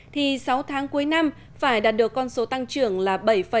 thì sáu tháng cuối năm phải đạt được con số tăng trưởng là bảy bốn mươi hai